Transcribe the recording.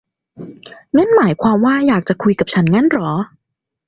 งั้นหมายความว่าอยากจะคุยกับฉันงั้นหรอ